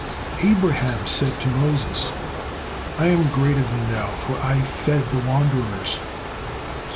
Abraham said to Moses, "I am greater than thou, for I fed the wanderers."